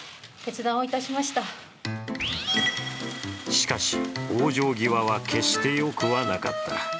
しかし、往生際は決してよくはなかった。